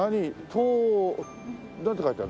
「トー」なんて書いてある？